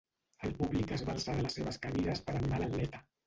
El públic es va alçar de les seves cadires per animar a l’atleta.